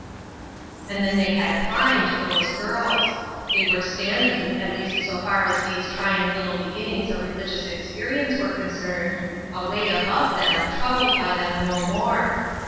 And they had climbed, those girls ; they were standing, at least so far as these trying little beginnings of religious experi ence were concerned, away above them, troubled by them no more.